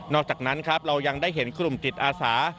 อกจากนั้นครับเรายังได้เห็นกลุ่มจิตอาสา